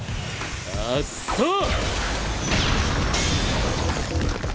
あっそう！